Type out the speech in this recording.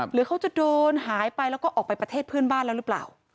หรือเขาจะเดินหายไปแล้วก็ออกไปประเทศเพื่อนบ้านแล้วหรือเปล่า